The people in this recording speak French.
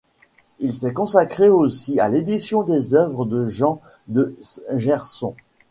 Il s'est consacré aussi à l'édition des œuvres de Jean de Gerson.